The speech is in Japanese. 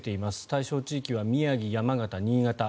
対象地域は宮城、山形、新潟。